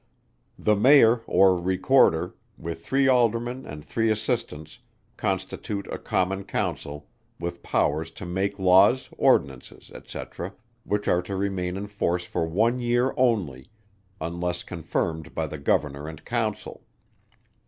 The Mayor or Recorder, with three Aldermen and three Assistants, constitute a Common Council, with power to make Laws, Ordinances, &c. which are to remain in force for one year only, unless confirmed by the Governor and Council.